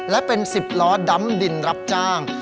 และเป็น๑๐ล้อดำดินรับจ้าง